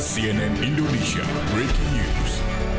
cnn indonesia breaking news